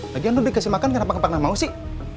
lagi kan lo dikasih makan kenapa gak pernah mau sih